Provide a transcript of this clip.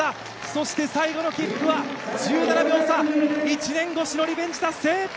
そして、最後の切符は１７秒差、１年越しのリベンジ達成！